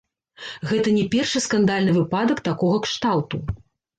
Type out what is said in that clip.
Гэта не першы скандальны выпадак такога кшталту.